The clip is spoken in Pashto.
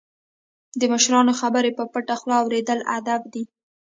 د مشرانو خبرې په پټه خوله اوریدل ادب دی.